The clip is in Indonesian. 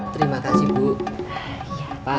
terima kasih bu ah pak